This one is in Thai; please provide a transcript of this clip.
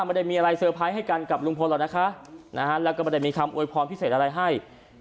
ไม่ได้มีอะไรเซอร์ไพรส์ให้กันกับลุงพลหรอกนะคะแล้วก็ไม่ได้มีคำอวยพรพิเศษอะไรให้